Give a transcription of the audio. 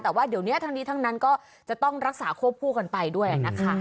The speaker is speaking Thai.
แต่ว่าเดี๋ยวนี้ทั้งนี้ทั้งนั้นก็จะต้องรักษาควบคู่กันไปด้วยนะคะ